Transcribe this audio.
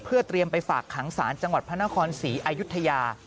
เพื่อเตรียมไปฝากขังศาลจังหวัดพระนครศรีอายุทยา